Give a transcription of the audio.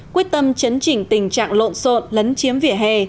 quyết tâm chấn chỉnh tình trạng lộn xộn lấn chiếm vỉa hè